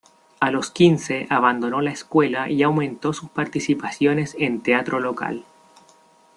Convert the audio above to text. A los quince, abandonó la escuela y aumentó sus participaciones en teatro local.